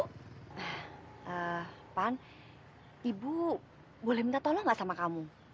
pak pan ibu boleh minta tolong gak sama kamu